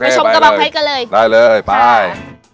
ชมกระบองเพชรกันเลยได้เลยไป